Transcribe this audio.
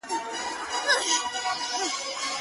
د عِلم تخم ته هواري کړی د زړو کروندې,